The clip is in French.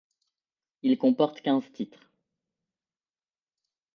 Il comporte quinze titres.